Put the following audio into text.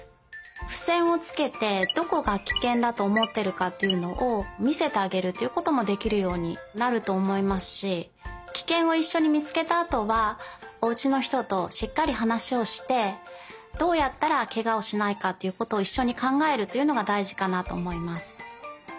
ふせんをつけてどこがキケンだとおもってるかっていうのをみせてあげるっていうこともできるようになるとおもいますしキケンをいっしょにみつけたあとはおうちのひととしっかりはなしをしてどうやったらケガをしないかっていうことをいっしょにかんがえるっていうのがだいじかなとおもいます。